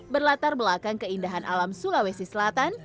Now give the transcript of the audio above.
berlatar belakang keindahan alam sulawesi selatan